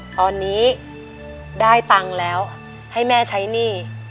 ตอนนี้ได้ตังค์แล้วให้แม่ใช้หนี้